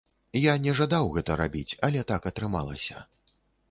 Я не жадаў гэта рабіць, але так атрымалася.